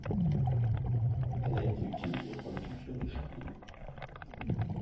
Elle a été utilisée pour la culture de champignons.